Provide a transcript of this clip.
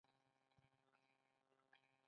آیا د پښتو لیکل زموږ مسوولیت نه دی؟